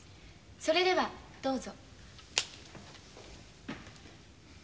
それではどうぞ。